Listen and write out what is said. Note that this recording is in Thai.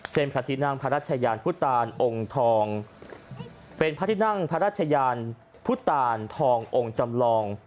พระที่นั่งพระราชยานพุทธตานองค์ทองเป็นพระที่นั่งพระราชยานพุทธตานทององค์จำลอง